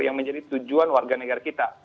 yang menjadi tujuan warga negara kita